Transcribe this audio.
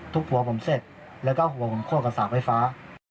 หัวผมเสร็จแล้วก็หัวผมโคตรกับสากไฟฟ้า